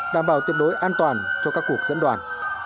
đảm bảo tuyệt đối an toàn cho các cuộc dẫn đoàn